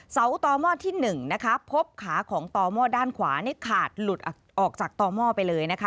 เสาต่อหม้อที่๑นะคะพบขาของต่อหม้อด้านขวานี่ขาดหลุดออกจากต่อหม้อไปเลยนะคะ